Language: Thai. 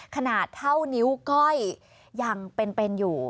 ขนาดเท่านิ้วก้อยยังเป็นอยู่